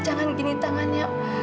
jangan gini tangannya